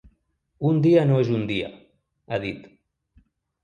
“Un dia no és un dia”, ha dit.